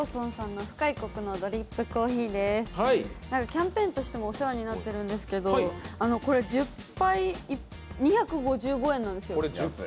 キャンペーンとしてもお世話になってるんですけどこれ１０杯２５５円なんですよ。